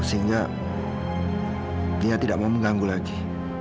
sehingga dia tidak mau mengganggu lagi